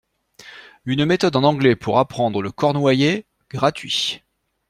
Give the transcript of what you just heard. Une méthode en anglais pour apprendre le cornouaillais, gratuit.